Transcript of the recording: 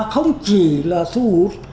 không chỉ là thu hút